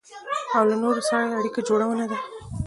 او له نورو سره يې اړيکه جوړونه ده.